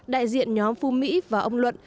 đại diện nhóm phu mỹ và ông luận